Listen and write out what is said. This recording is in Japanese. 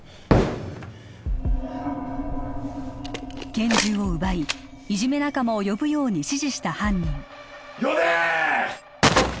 拳銃を奪いいじめ仲間を呼ぶように指示した犯人呼べー！